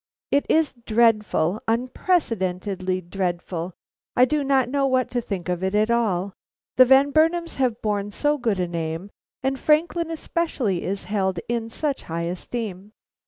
"It is dreadful, unprecedently dreadful. I do not know what to think of it all. The Van Burnams have borne so good a name, and Franklin especially is held in such high esteem.